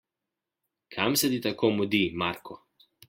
Kam se ti tako mudi, Marko?